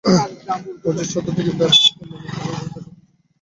মসজিদ চত্বর থেকে বের হতে হতে মনে হলো, এবার পেটে কিছু দিতে হবে।